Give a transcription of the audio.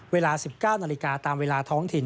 เวลา๑๙นาฬิกาตามเวลาท้องถิ่น